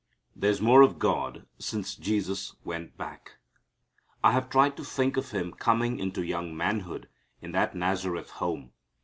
There's More of God Since Jesus Went Back. I have tried to think of Him coming into young manhood in that Nazareth home.